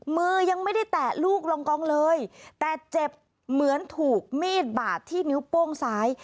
มือยังไม่ได้แตะลูกลงกองเลยแต่เจ็บเหมือนถูกมีดบาดที่นิ้วโป้งซ้าย